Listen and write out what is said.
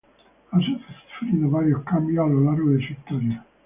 Ha sufrido varios cambios a lo largo de su historia.